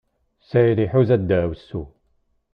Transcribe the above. Sɛid iḥuza daɛwessu.